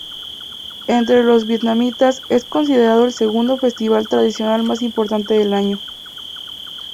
Entre los vietnamitas, es considerado el segundo festival tradicional más importante del año.